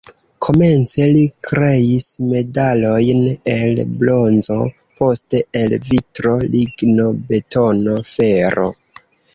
Komence li kreis medalojn el bronzo, poste el vitro, ligno, betono, fero.